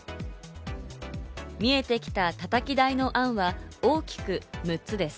見えてきた、たたき台の案は大きく６つです。